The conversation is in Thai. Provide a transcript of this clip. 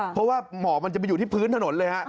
เพราะว่าหมอกมันจะไปอยู่ที่พื้นถนนเลยฮะ